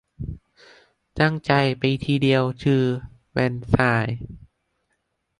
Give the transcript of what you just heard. ตั้งใจไปที่เดียวคือแวร์ซายน์